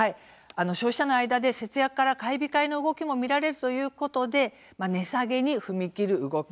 消費者の間で節約から買い控えの動きも見られるということで値下げに踏み切る動き